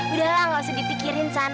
udah lah gak usah dipikirin san